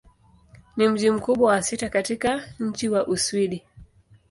Ni mji mkubwa wa sita katika nchi wa Uswidi.